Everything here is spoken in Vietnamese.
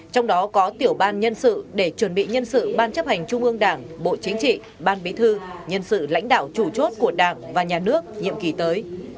trong đó có tiểu ban nhân sự để chuẩn bị nhân sự ban chấp hành trung ương đảng bộ chính trị ban bí thư nhân sự lãnh đạo chủ chốt của đảng và nhà nước nhiệm kỳ tới